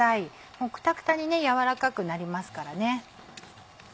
もうくたくたに柔らかくなりますからね。